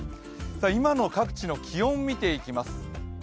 今の各地の気温、見ていきます。